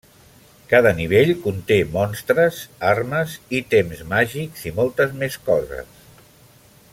Cada nivell conté monstres, armes, ítems màgics i moltes més coses.